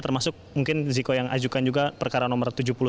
termasuk mungkin ziko yang ajukan juga perkara nomor tujuh puluh satu